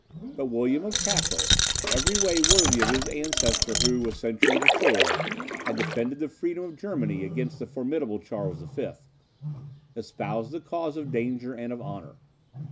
But William of Cassel, every way worthy of his ancestor who, a century before, had defended the freedom of Germany against the formidable Charles V., espoused the cause of danger and of honour.